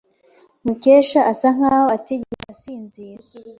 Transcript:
Mukesha asa nkaho atigeze asinzira.